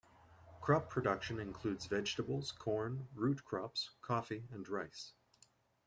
Crop production includes vegetables, corn, root crops, coffee, and rice.